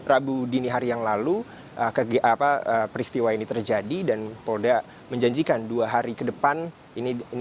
rabu dini hari yang lalu peristiwa ini terjadi dan polda menjanjikan dua hari ke depan ini